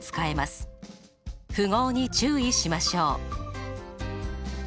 符号に注意しましょう。